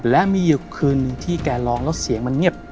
และมีคืนที่แกร้องแล้วเสียงมันเงียบ